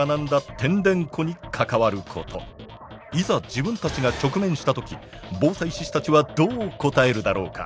自分たちが直面した時防災志士たちはどう答えるだろうか？